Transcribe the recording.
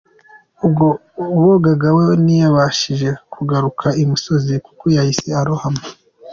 Ubwo bogaga we ntiyabashije kugaruka imusozi kuko yahise arohama.